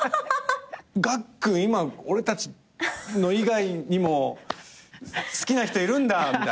がっくん今俺たち以外にも好きな人いるんだみたいな。